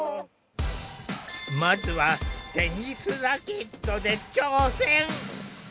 まずはテニスラケットで挑戦。